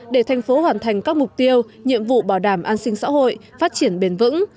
để thành phố hoàn thành các mục tiêu nhiệm vụ bảo đảm an sinh xã hội phát triển bền vững